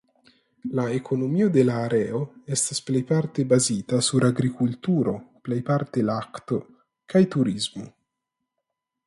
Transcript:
La ekonomio de la areo estas plejparte bazita sur agrikulturo (plejparte lakto) kaj turismo.